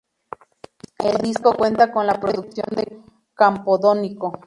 El disco cuenta con la producción de Campodónico.